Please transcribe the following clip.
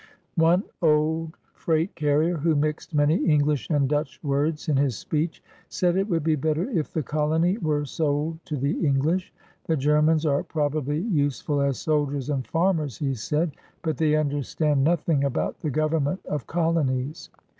One old freight carrier, who mixed many English and Dutch words in his speech, said it would be better if the colony were sold to the English. "The Germans are probably useful as soldiers and farmers," he said, "but they understand nothing about the government of colo nies.